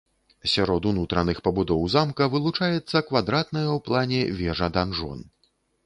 Сярод унутраных пабудоў замка вылучаецца квадратная ў плане вежа-данжон.